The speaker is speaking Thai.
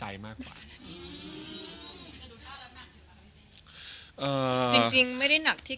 จะรักเธอเพียงคนเดียว